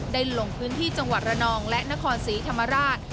ลงพื้นที่จังหวัดระนองและนครศรีธรรมราช